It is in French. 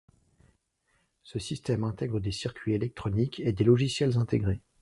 Ce système intègre des circuits électroniques et des logiciels intégrés.